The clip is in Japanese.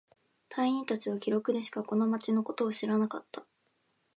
隊員達は記録でしかこの町のことを知らなかった。